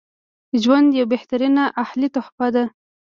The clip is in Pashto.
ژوند یوه بهترینه الهی تحفه ده